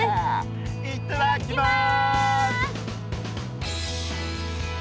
いっただきます！